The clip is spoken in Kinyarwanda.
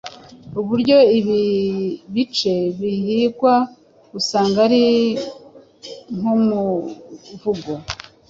Uburyo ibi bice bihimbwa usanga ari nk’umuvugo